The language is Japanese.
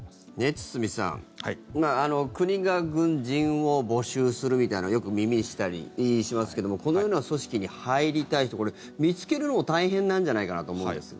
堤さん国が軍人を募集するみたいなよく耳にしたりしますけどもこのような組織に入りたい人これ、見つけるのも大変なんじゃないかなと思うんですが。